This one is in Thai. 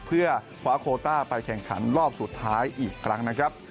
เพื่อคว้าโคต้าไปแข่งขันรอบสุดท้ายอีกครั้งนะครับ